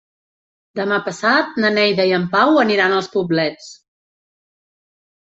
Demà passat na Neida i en Pau aniran als Poblets.